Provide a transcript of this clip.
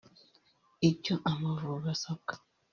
Icyo Amavubi asabwa